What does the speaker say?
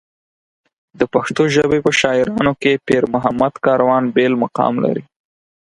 د پښتو ژبې په شاعرانو کې پېرمحمد کاروان بېل مقام لري.